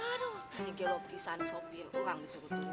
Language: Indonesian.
aduh ini kalau pisani sopir orang disuruh turun